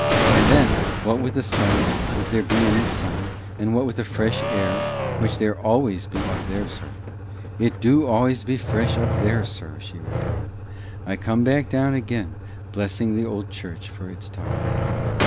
And then, what with the sun, if there be any sun, and what with the fresh air which there always be up there, sir, it du always be fresh up there, sir," she repeated, "I come back down again blessing the old church for its tower."